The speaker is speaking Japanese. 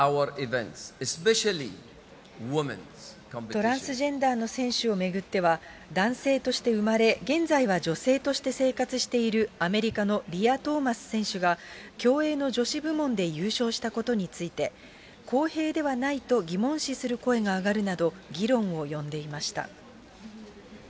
トランスジェンダーの選手を巡っては、男性として生まれ、現在は女性として生活しているアメリカのリア・トーマス選手が、競泳の女子部門で優勝したことについて、公平ではないと疑問視する声が上がるなど、議論を呼んでいました。